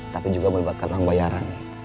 tapi juga melibatkan orang bayaran